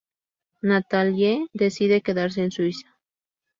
Nathalie decide quedarse en Suiza.